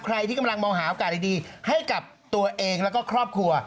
ใครที่กำลังมองหาโอกาสดีให้กับตัวเองแล้วก็ครอบครัว